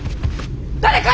誰か！